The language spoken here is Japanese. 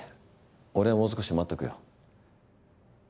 俺はもう少し待っとくよ。